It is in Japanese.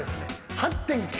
８．９。